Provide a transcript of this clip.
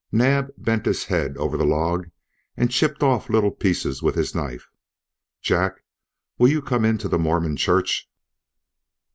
Naab bent his head over the log and chipped off little pieces with his knife. "Jack, will you come into the Mormon Church?"